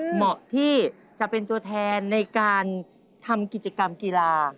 เหมาะที่จะเป็นตัวแทนในการทำกิจกรรมกีฬา